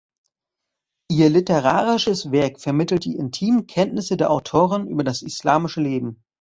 Ihr literarisches Werk vermittelt die intimen Kenntnisse der Autorin über das islamische Leben.